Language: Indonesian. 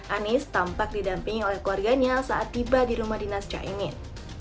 anies tampak didampingi oleh keluarganya saat tiba di rumah dinas caimin